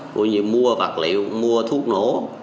vui như mua vật liệu mua thuốc nổ